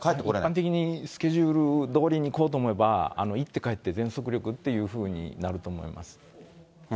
完璧にスケジュールどおりにいこうと思えば、行って帰って全速力っていうふうになると思います。